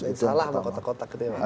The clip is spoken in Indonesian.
ada yang salah sama kotak kotak itu ya pak